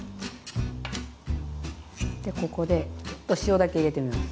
でここでちょっと塩だけ入れてみます。